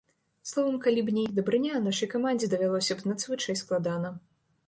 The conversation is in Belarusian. Словам, калі б не іх дабрыня, нашай камандзе давялося б надзвычай складана.